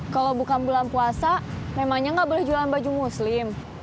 kalau bukan bulan puasa memangnya nggak boleh jualan baju muslim